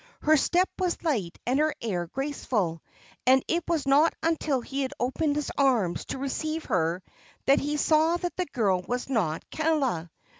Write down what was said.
Her step was light and her air graceful, and it was not until he had opened his arms to receive her that he saw that the girl was not Kaala.